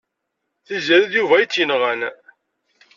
Tiziri d Yuba ay tt-yenɣan.